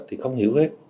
thì không hiểu hết